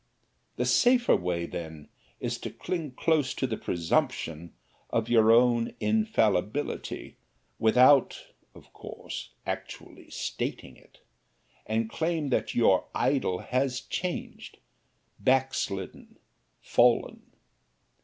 The safer way then is to cling close to the presumption of your own infallibility, without, of course, actually stating it, and claim that your idol has changed, backslidden fallen.